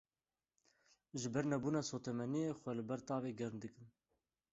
Ji ber nebûna sotemeniyê xwe li ber tavê germ dikin.